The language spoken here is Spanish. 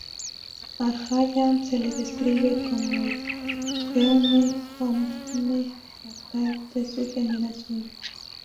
A Hallam se le describe como el "jeune homme fatal" de su generación.